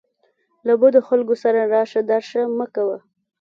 له بدو خلکو سره راشه درشه مه کوه.